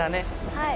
はい。